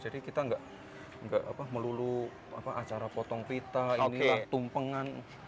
jadi kita tidak melulu acara potong pita tumpengan